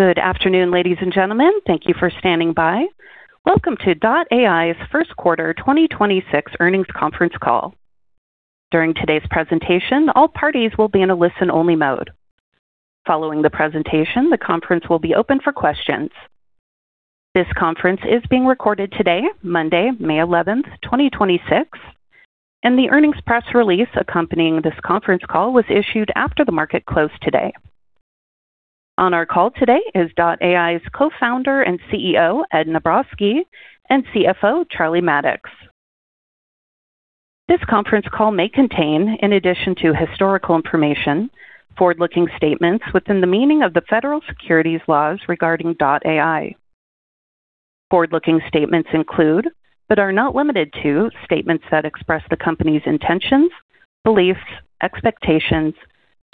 Good afternoon, ladies and gentlemen. Thank you for standing by. Welcome to Dot Ai's 1st quarter 2026 earnings conference call. During today's presentation, all parties will be in a listen-only mode. Following the presentation, the conference will be open for questions. This conference is being recorded today, Monday, May 11th, 2026, and the earnings press release accompanying this conference call was issued after the market close today. On our call today is Dot Ai's Co-Founder and CEO, Ed Nabrotzky, and CFO, Charlie Maddox. This conference call may contain, in addition to historical information, forward-looking statements within the meaning of the Federal Securities laws regarding Dot Ai. Forward-looking statements include, but are not limited to, statements that express the company's intentions, beliefs, expectations,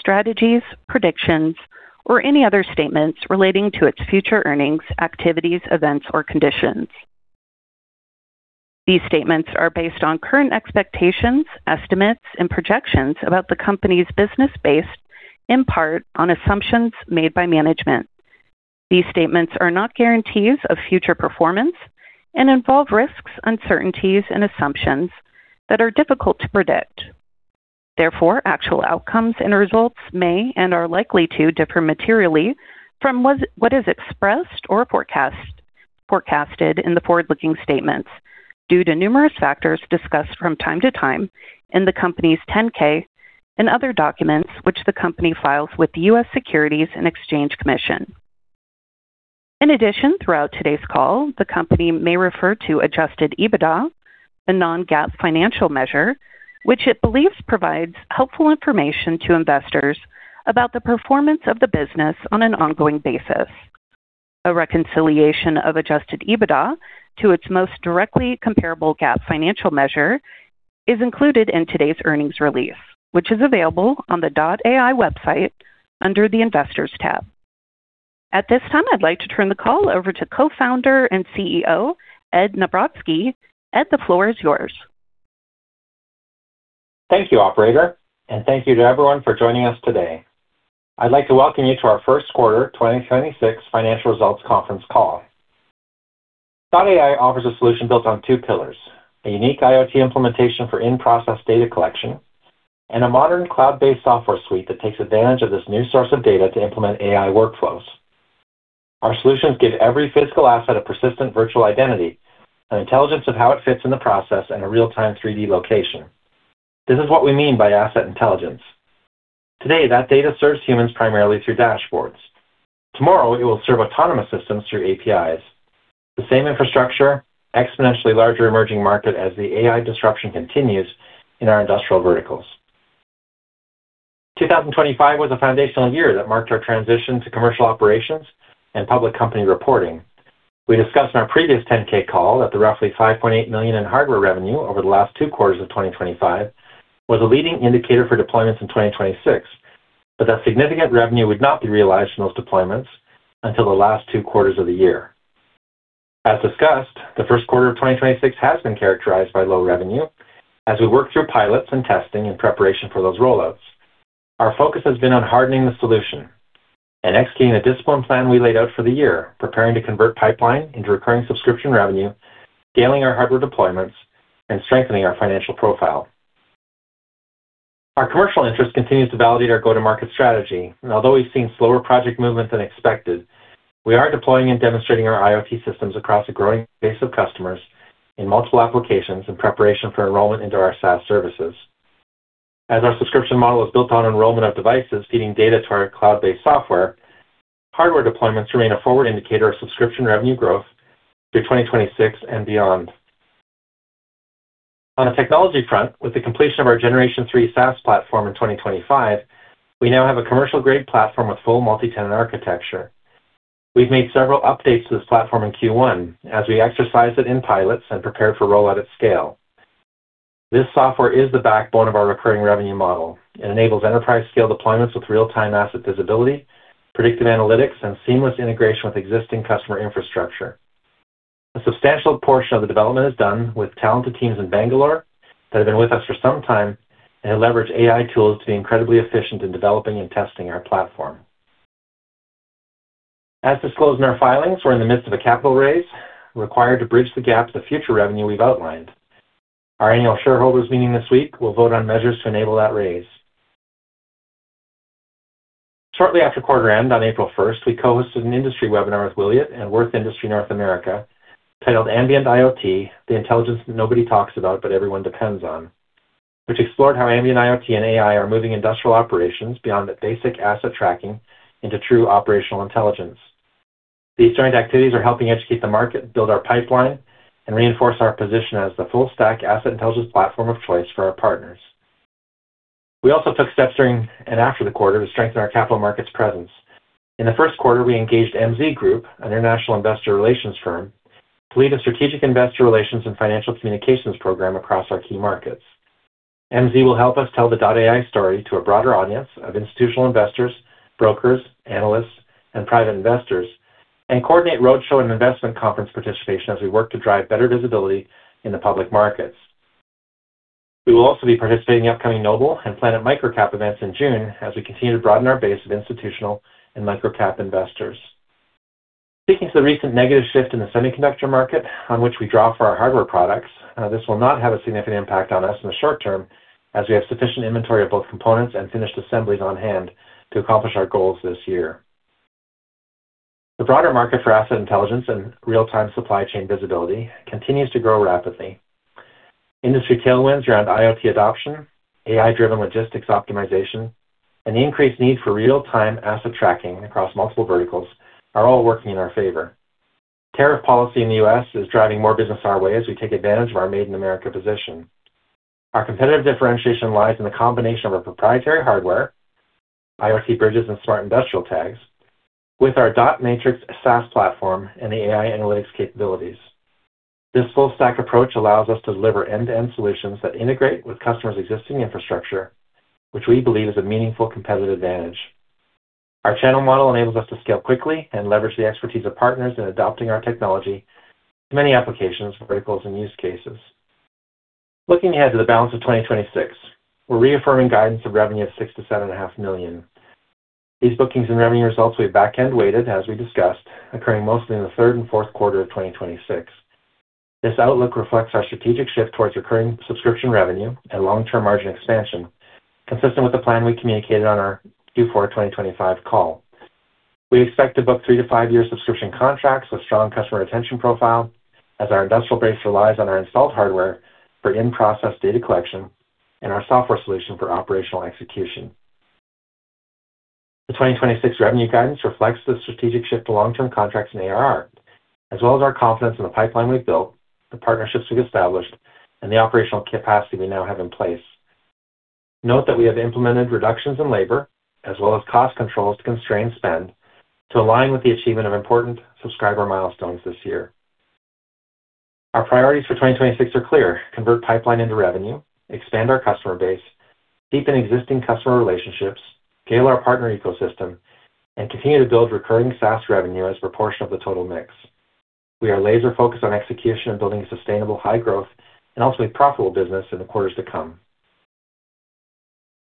strategies, predictions, or any other statements relating to its future earnings, activities, events, or conditions. These statements are based on current expectations, estimates, and projections about the company's business based, in part, on assumptions made by management. These statements are not guarantees of future performance and involve risks, uncertainties and assumptions that are difficult to predict. Actual outcomes and results may, and are likely to, differ materially from what is expressed or forecasted in the forward-looking statements due to numerous factors discussed from time to time in the company's Form 10-K and other documents which the company files with the U.S. Securities and Exchange Commission. Throughout today's call, the company may refer to adjusted EBITDA, a non-GAAP financial measure, which it believes provides helpful information to investors about the performance of the business on an ongoing basis. A reconciliation of adjusted EBITDA to its most directly comparable GAAP financial measure is included in today's earnings release, which is available on the Dot Ai website under the Investors tab. At this time, I'd like to turn the call over to Co-Founder and CEO, Ed Nabrotzky. Ed, the floor is yours. Thank you, operator, and thank you to everyone for joining us today. I'd like to welcome you to our first quarter 2026 financial results conference call. Dot Ai offers a solution built on two pillars: a unique IoT implementation for in-process data collection and a modern cloud-based software suite that takes advantage of this new source of data to implement AI workflows. Our solutions give every physical asset a persistent virtual identity, an intelligence of how it fits in the process, and a real-time 3-D location. This is what we mean by asset intelligence. Today, that data serves humans primarily through dashboards. Tomorrow, it will serve autonomous systems through APIs. The same infrastructure, exponentially larger emerging market as the AI disruption continues in our industrial verticals. 2025 was a foundational year that marked our transition to commercial operations and public company reporting. We discussed in our previous Form 10-K call that the roughly $5.8 million in hardware revenue over the last two quarters of 2025 was a leading indicator for deployments in 2026. That significant revenue would not be realized in those deployments until the last two quarters of the year. As discussed, the first quarter of 2026 has been characterized by low revenue as we work through pilots and testing in preparation for those rollouts. Our focus has been on hardening the solution and executing a disciplined plan we laid out for the year, preparing to convert pipeline into recurring subscription revenue, scaling our hardware deployments, and strengthening our financial profile. Our commercial interest continues to validate our go-to-market strategy, and although we've seen slower project movement than expected, we are deploying and demonstrating our IoT systems across a growing base of customers in multiple applications in preparation for enrollment into our SaaS services. As our subscription model is built on enrollment of devices feeding data to our cloud-based software, hardware deployments remain a forward indicator of subscription revenue growth through 2026 and beyond. On a technology front, with the completion of our generation 3 SaaS platform in 2025, we now have a commercial-grade platform with full multi-tenant architecture. We've made several updates to this platform in Q1 as we exercise it in pilots and prepare for rollout at scale. This software is the backbone of our recurring revenue model. It enables enterprise-scale deployments with real-time asset visibility, predictive analytics, and seamless integration with existing customer infrastructure. A substantial portion of the development is done with talented teams in Bangalore that have been with us for some time and have leveraged AI tools to be incredibly efficient in developing and testing our platform. As disclosed in our filings, we're in the midst of a capital raise required to bridge the gap to future revenue we've outlined. Our annual shareholders meeting this week will vote on measures to enable that raise. Shortly after quarter end on April 1, we co-hosted an industry webinar with Wiliot and Würth Industry North America titled Ambient IoT: The Intelligence Nobody Talks About But Everyone Depends On, which explored how Ambient IoT and AI are moving industrial operations beyond the basic asset tracking into true operational intelligence. These joint activities are helping educate the market, build our pipeline, and reinforce our position as the full stack asset intelligence platform of choice for our partners. We also took steps during and after the quarter to strengthen our capital markets presence. In the first quarter, we engaged MZ Group, an international investor relations firm, to lead a strategic investor relations and financial communications program across our key markets. MZ will help us tell the Dot Ai story to a broader audience of institutional investors, brokers, analysts, and private investors and coordinate roadshow and investment conference participation as we work to drive better visibility in the public markets. We will also be participating in the upcoming Noble and Planet MicroCap events in June as we continue to broaden our base of institutional and micro cap investors. Speaking to the recent negative shift in the semiconductor market on which we draw for our hardware products, this will not have a significant impact on us in the short term as we have sufficient inventory of both components and finished assemblies on hand to accomplish our goals this year. The broader market for asset intelligence and real-time supply chain visibility continues to grow rapidly. Industry tailwinds around IoT adoption, AI-driven logistics optimization, and the increased need for real-time asset tracking across multiple verticals are all working in our favor. Tariff policy in the U.S. is driving more business our way as we take advantage of our Made in America position. Our competitive differentiation lies in the combination of our proprietary hardware, IoT bridges, and Smart Industrial Tags with our Dot Matrix SaaS platform and AI analytics capabilities. This full stack approach allows us to deliver end-to-end solutions that integrate with customers' existing infrastructure, which we believe is a meaningful competitive advantage. Our channel model enables us to scale quickly and leverage the expertise of partners in adopting our technology to many applications, verticals, and use cases. Looking ahead to the balance of 2026, we're reaffirming guidance of revenue of $6 million to $seven and a half million. These bookings and revenue results will be back-end weighted, as we discussed, occurring mostly in the third and fourth quarter of 2026. This outlook reflects our strategic shift towards recurring subscription revenue and long-term margin expansion, consistent with the plan we communicated on our Q4 2025 call. We expect to book 3-5-year subscription contracts with strong customer retention profile as our industrial base relies on our installed hardware for in-process data collection and our software solution for operational execution. The 2026 revenue guidance reflects the strategic shift to long-term contracts and ARR, as well as our confidence in the pipeline we've built, the partnerships we've established, and the operational capacity we now have in place. Note that we have implemented reductions in labor as well as cost controls to constrain spend to align with the achievement of important subscriber milestones this year. Our priorities for 2026 are clear: convert pipeline into revenue, expand our customer base, deepen existing customer relationships, scale our partner ecosystem, and continue to build recurring SaaS revenue as proportion of the total mix. We are laser-focused on execution and building a sustainable high growth and ultimately profitable business in the quarters to come.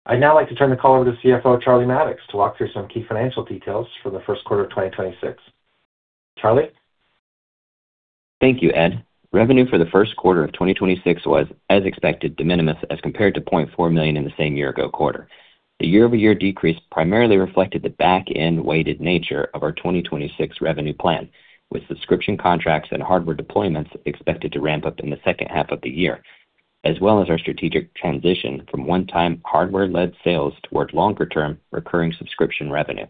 I'd now like to turn the call over to CFO Charlie Maddox to walk through some key financial details for the first quarter of 2026. Charlie? Thank you, Ed. Revenue for the first quarter of 2026 was as expected de minimis as compared to $0.4 million in the same year-ago quarter. The year-over-year decrease primarily reflected the back-end weighted nature of our 2026 revenue plan, with subscription contracts and hardware deployments expected to ramp up in the second half of the year, as well as our strategic transition from one-time hardware-led sales towards longer-term recurring subscription revenue.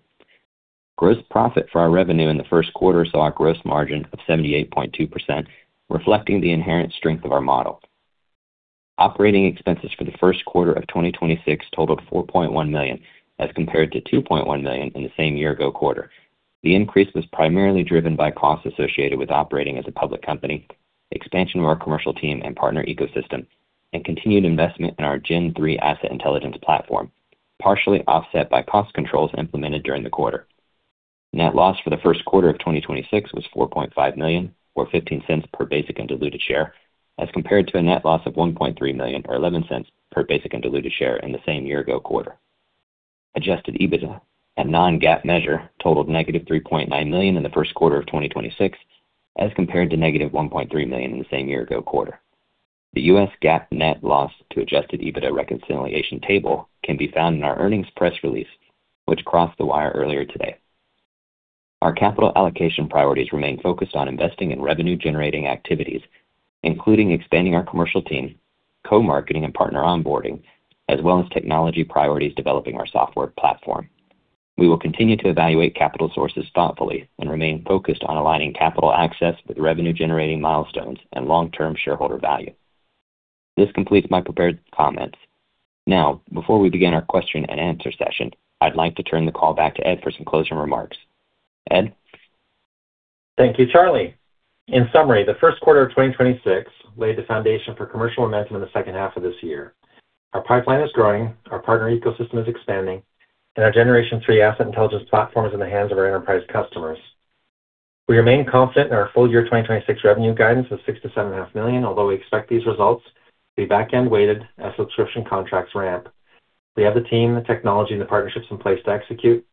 Gross profit for our revenue in the first quarter saw a gross margin of 78.2%, reflecting the inherent strength of our model. Operating expenses for the first quarter of 2026 totaled $4.1 million as compared to $2.1 million in the same year-ago quarter. The increase was primarily driven by costs associated with operating as a public company, expansion of our commercial team and partner ecosystem, and continued investment in our Gen 3 Asset Intelligence platform, partially offset by cost controls implemented during the quarter. Net loss for the first quarter of 2026 was $4.5 million or $0.15 per basic and diluted share as compared to a net loss of $1.3 million or $0.11 per basic and diluted share in the same year-ago quarter. Adjusted EBITDA, a non-GAAP measure, totaled negative $3.9 million in the first quarter of 2026 as compared to negative $1.3 million in the same year-ago quarter. The U.S. GAAP net loss to adjusted EBITDA reconciliation table can be found in our earnings press release, which crossed the wire earlier today. Our capital allocation priorities remain focused on investing in revenue-generating activities, including expanding our commercial team, co-marketing and partner onboarding, as well as technology priorities developing our software platform. We will continue to evaluate capital sources thoughtfully and remain focused on aligning capital access with revenue-generating milestones and long-term shareholder value. This completes my prepared comments. Before we begin our question and answer session, I'd like to turn the call back to Ed for some closing remarks. Ed? Thank you, Charlie. In summary, the first quarter of 2026 laid the foundation for commercial momentum in the second half of this year. Our pipeline is growing, our partner ecosystem is expanding, and our Dot Matrix 3.0 Asset Intelligence platform is in the hands of our enterprise customers. We remain confident in our full year 2026 revenue guidance of $6 million-$7.5 million, although we expect these results to be back-end weighted as subscription contracts ramp. We have the team, the technology, and the partnerships in place to execute.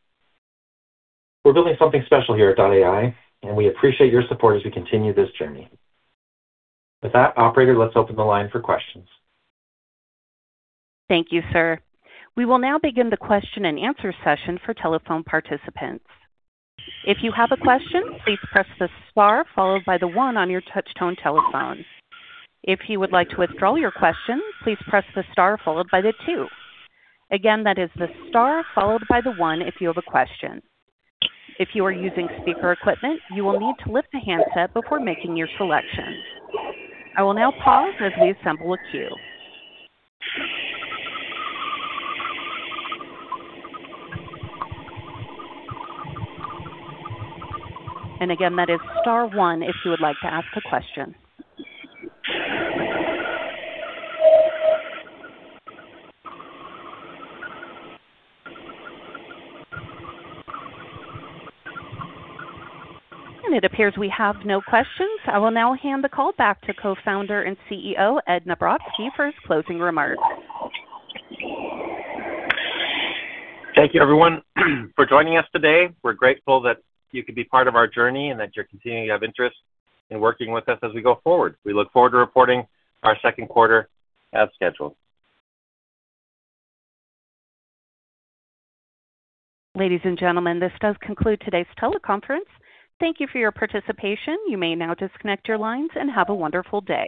We're building something special here at Dot Ai, and we appreciate your support as we continue this journey. With that, operator, let's open the line for questions. Thank you, sir. We will now begin the question and answer session for telephone participants. If you have a question, please press the star followed by the one on your touch tone telephone. If you would like to withdraw your question, please press the star followed by the two. Again, that is the star followed by the one if you have a question. If you are using speaker equipment, you will need to lift the handset before making your selection. I will now pause as we assemble a queue. Again, that is star one if you would like to ask a question. It appears we have no questions. I will now hand the call back to Co-Founder and CEO Ed Nabrotzky for his closing remarks. Thank you everyone for joining us today. We're grateful that you could be part of our journey and that you're continuing to have interest in working with us as we go forward. We look forward to reporting our second quarter as scheduled. Ladies and gentlemen, this does conclude today's teleconference. Thank you for your participation. You may now disconnect your lines and have a wonderful day.